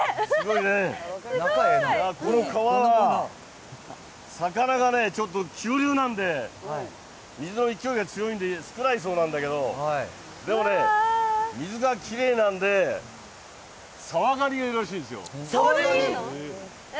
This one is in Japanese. いや、この川は魚がね、ちょっと急流なんで、水の勢いが強いんで少ないそうなんだけど、でもね、水がきれいなんで、サワガニがいるらしいんですよ。